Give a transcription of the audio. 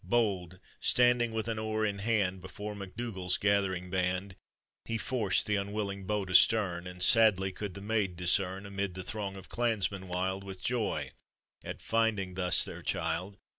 Bold, standing with an oar in hand, Before MacDougall's gathering band, He forced th' unwilling boat astern, And sadly could the maid discern Amid the throng of clansmen, wild With joy at finding thus their child.